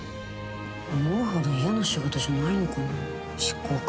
思うほど嫌な仕事じゃないのかな執行官。